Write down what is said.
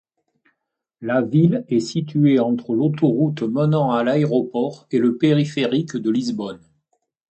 La ville est située entre l'autoroute menant à l'aéroport et le périphérique de Lisbonne.